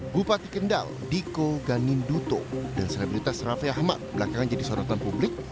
bupati kendal diko ganinduto dan selebritas raffi ahmad belakangan jadi sorotan publik